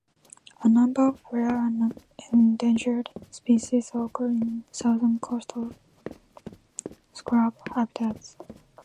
A number of rare and endangered species occur in southern coastal scrub habitats.